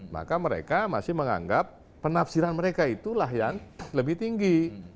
maka mereka masih menganggap penafsiran mereka itulah yang lebih tinggi